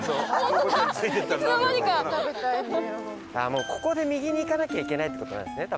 もうここで右に行かなきゃいけないって事なんですね多分。